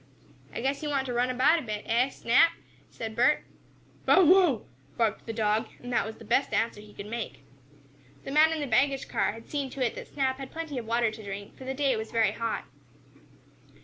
"I guess you want to run about a bit, eh, Snap?" said Bert. "Bow wow!" barked the dog, and that was the best answer he could make. The man in the baggage car had seen to it that Snap had plenty of water to drink, for the day was very hot.